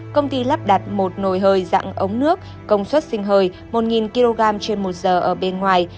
công ty lắp đặt một nồi hơi dạng ống nước công suất sinh hơi một kg trên một giờ ở bên ngoài